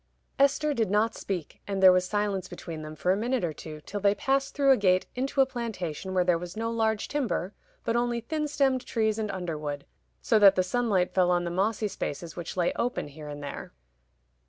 Esther did not speak, and there was silence between them for a minute or two, till they passed through a gate into a plantation where there was no large timber, but only thin stemmed trees and underwood, so that the sunlight fell on the mossy spaces which lay open here and there.